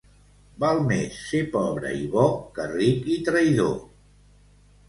Val més ser pobre i bo, que ric i traïdor.